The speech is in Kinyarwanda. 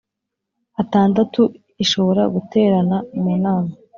Atandatu ishobora guterana mu nama